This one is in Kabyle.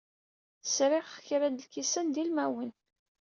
Sriɣ kra n lkisan d ilmawen.